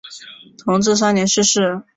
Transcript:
同治三年逝世。